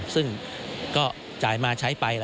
ซึ่งก็จ่ายมาใช้ไป